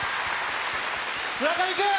村上君。